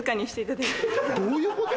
どういうこと？